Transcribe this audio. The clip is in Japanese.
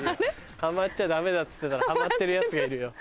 はまっちゃダメだっつってたらはまってるヤツがいるよ。